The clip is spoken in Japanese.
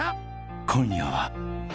［今夜は］